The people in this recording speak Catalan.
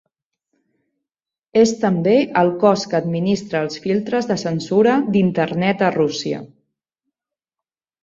És també el cos que administra els filtres de censura d'Internet a Rússia.